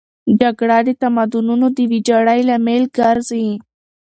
جګړه د تمدنونو د ویجاړۍ لامل ګرځي.